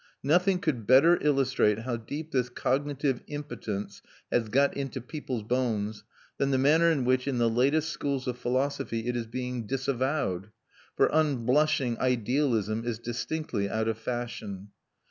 Nothing could better illustrate how deep this cognitive impotence has got into people's bones than the manner in which, in the latest schools of philosophy, it is being disavowed; for unblushing idealism is distinctly out of fashion.